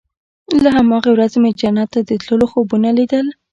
له هماغې ورځې مې جنت ته د تلو خوبونه ليدل.